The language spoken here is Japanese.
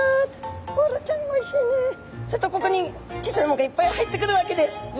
するとここに小さな藻がいっぱい入ってくるわけです。